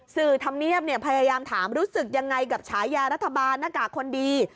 ธรรมเนียบพยายามถามรู้สึกยังไงกับฉายารัฐบาลหน้ากากคนดี